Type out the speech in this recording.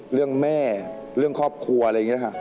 เรื่องแม่เรื่องครอบครัวอะไรอย่างนี้ค่ะ